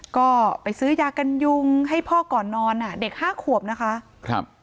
ก็ไปซื้อยากันยุงให้พ่อก่อนนอนอ่ะเด็กห้าขวบนะคะครับ